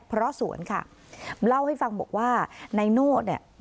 เพราะสวนค่ะเล่าให้ฟังบอกว่านายโน่เนี่ย